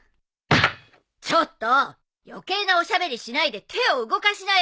ちょっと余計なおしゃべりしないで手を動かしなよ。